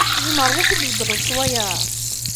Tzemreḍ ad t-id-tbeddleḍ s wayeḍ?